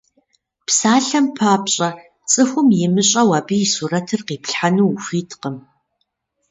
Псалъэм папщӏэ, цӏыхум имыщӏэу, абы и сурэтыр къиплъхьэну ухуиткъым.